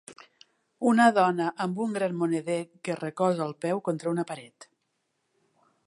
Una dona amb un gran moneder que recolza el peu contra una paret.